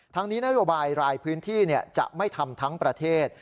ทั้งนี้นโยบายรายพื้นที่จะไม่ทำทั้งประเทศ